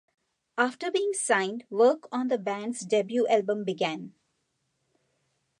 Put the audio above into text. After being signed, work on the band's debut album began.